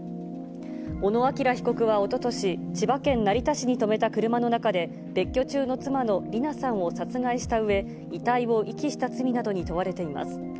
小野陽被告はおととし、千葉県成田市に止めた車の中で、別居中の妻の理奈さんを殺害したうえ、遺体を遺棄した罪などに問われています。